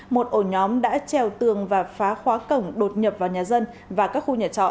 một ổ nhóm đã trèo tường và phá khóa cổng đột nhập vào nhà dân và các khu nhà trọ